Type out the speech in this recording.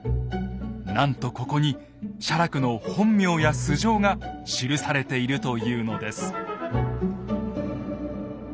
なんとここに写楽の本名や素性が記されているというのです。